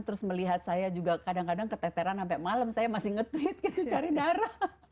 terus melihat saya juga kadang kadang keteteran sampai malam saya masih nge tweet gitu cari darah